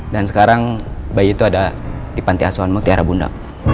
dan sekarang bayi itu ada di pantiasuhan mekira bunda